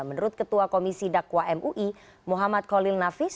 menurut ketua komisi dakwa mui muhammad khalil nafis